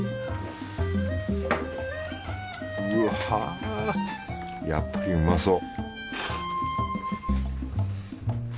うはやっぱりうまそう